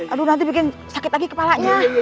aduh nanti bikin sakit lagi kepalanya